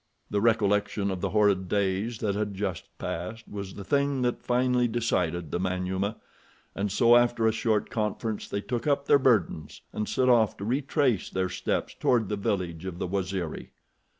The recollection of the horrid days that had just passed was the thing that finally decided the Manyuema, and so, after a short conference, they took up their burdens and set off to retrace their steps toward the village of the Waziri.